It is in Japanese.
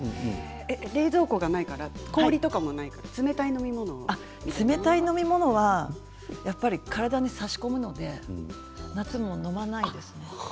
冷蔵庫がないから氷とかも冷たい飲み物は体にさしこむので夏も飲まないんです。